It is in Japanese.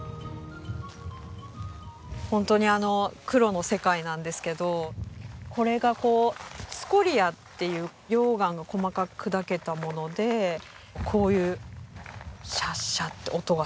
本当にあの黒の世界なんですけどこれがこうスコリアっていう溶岩の細かく砕けたものでこういうシャッシャッて音がする感じで。